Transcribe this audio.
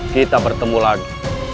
kita bertemu lagi